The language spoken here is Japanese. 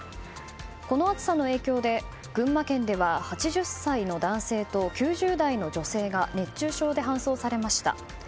この暑さの影響で群馬県では８０歳の男性と９０代の女性が熱中症で搬送されました。